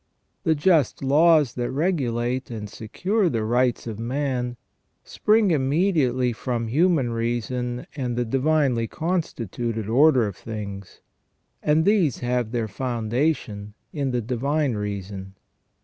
The just laws that regulate and secure the rights of man spring immediately from human reason and the divinely constituted order of things, and these have their founda tion in the divine reason.